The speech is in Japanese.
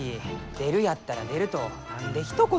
出るやったら出ると何でひと言。